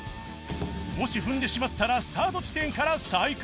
もし踏んでしまったらスタート地点から再開